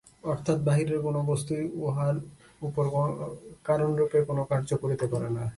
অর্থাৎ বাহিরের কোন বস্তুই উহার উপর কারণরূপে কোন কার্য করিতে পারে না।